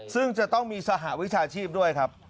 ซึ่งจะต้องมีสหวิชาชีพด้วยครับ